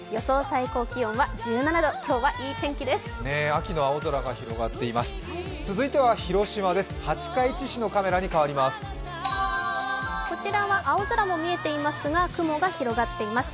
最高気温は１７度、今日はいい天気です。